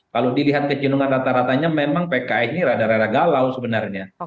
kalau dilihat kecinungan rata ratanya memang pks ini rada rada galau sebenarnya